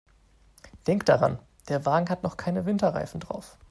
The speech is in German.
Denk daran, der Wagen hat noch keine Winterreifen drauf.